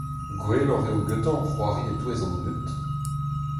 Gwelloc'h eo gantañ c'hoari e-touez an dud.